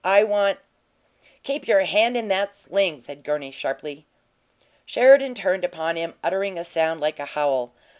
I want " "Keep you hand in that sling," said Gurney, sharply. Sheridan turned upon him, uttering a sound like a howl.